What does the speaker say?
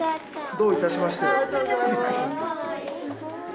どういたしまして。